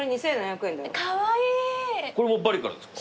これもバリからですか？